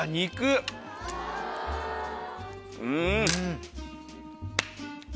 うん！